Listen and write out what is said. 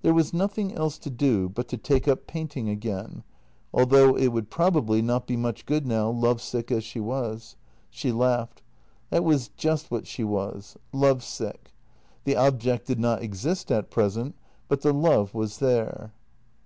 There was nothing else to do but to take up painting again, although it would probably not be much good now, love sick as she was. She laughed. That was just what she was — love sick. The object did not exist at present, but the love was there.